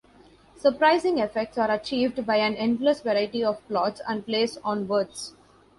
Surprising effects are achieved by an endless variety of plots and plays on words.